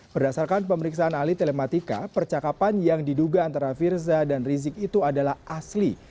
berdasarkan pemeriksaan ahli telematika percakapan yang diduga antara firza dan rizik itu adalah asli